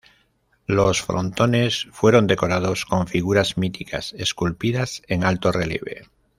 Los frontones fueron decorados con figuras míticas, esculpidas en alto relieve.